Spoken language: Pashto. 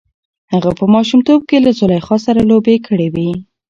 هغه په ماشومتوب کې له زلیخا سره لوبې کړې وې.